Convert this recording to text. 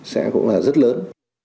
sẽ cũng là rất lớn